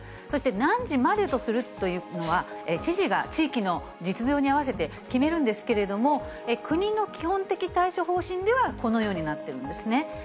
そして何時までとするというのは、知事が地域の実情に合わせて決めるんですけれども、国の基本的対処方針では、このようになっているんですね。